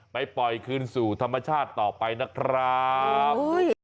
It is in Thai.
ไปปล่อยคืนสู่ธรรมชาติต่อไปนะครับ